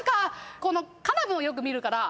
カナブンをよく見るから。